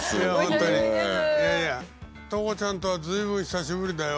トコちゃんとは随分久しぶりだよ。